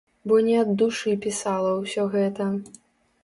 Бо не ад душы пісала ўсё гэта.